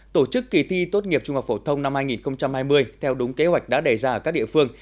tổ chức kỳ thi tốt nghiệp trung học phổ thông năm hai nghìn hai mươi theo đúng kế hoạch đã đề ra ở các địa phương